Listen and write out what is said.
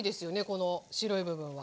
この白い部分は。